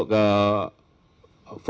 kita kenal mas belva syah devara